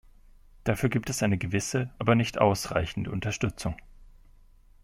Dafür gibt es eine gewisse, aber nicht ausreichende Unterstützung.